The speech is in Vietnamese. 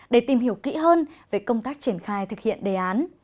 để tìm hiểu kỹ hơn về công tác triển khai thực hiện đề án